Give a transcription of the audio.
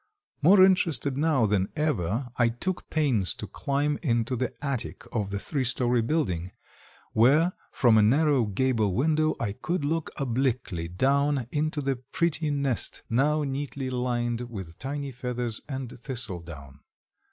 More interested now than ever, I took pains to climb into the attic of the three story building where from a narrow gable window I could look obliquely down into the pretty nest now neatly lined with tiny feathers and thistle down.